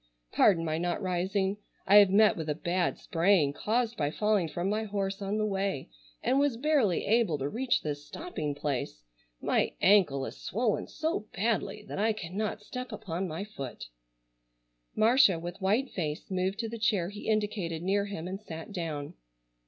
Pardon my not rising. I have met with a bad sprain caused by falling from my horse on the way, and was barely able to reach this stopping place. My ankle is swollen so badly that I cannot step upon my foot." Marcia, with white face, moved to the chair he indicated near him, and sat down.